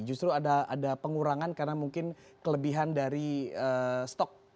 justru ada pengurangan karena mungkin kelebihan dari stok